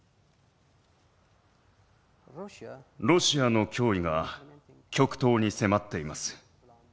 ロシアの脅威が極東に迫っています。